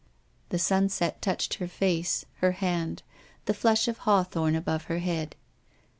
The sunset touched her face, her hand, the flush of hawthorn above her head.